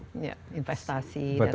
ya investasi dan lain sebagainya